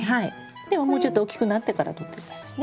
でももうちょっと大きくなってからとって下さいね。